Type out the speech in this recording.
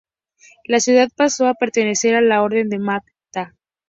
La ciudad pasó a pertenecer a la Orden de Malta.